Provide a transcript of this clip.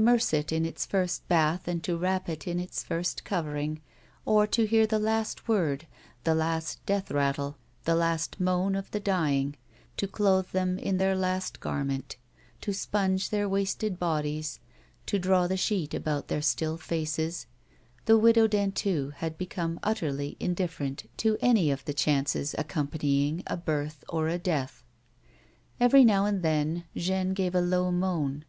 125 merse it in its first bath and to wrap it in its first covering, or to hear the last word, the last death rattle, the last moan of the dying, to clothe them in their last garment, to sponge their wasted bodies, to draw the sheet about their still faces, the Widow Dentu had become utterly indifferent to any of the chances accompanying a birth or a death. Every now and then Jeanne gave a low moan.